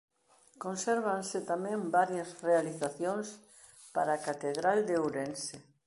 Consérvanse tamén varias realizacións para a catedral de Ourense.